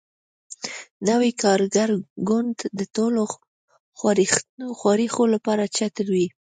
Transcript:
نوی کارګر ګوند د ټولو خواریکښو لپاره چتر وي.